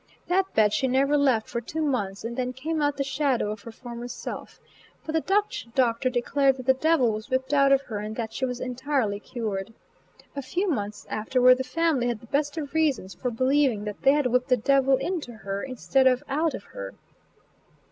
That bed she never left for two months, and then came out the shadow of her former self. But the Dutch doctor declared that the devil was whipped out of her, and that she was entirely cured. A few months afterward the family had the best of reasons for believing that they had whipped the devil into her, instead of out of her.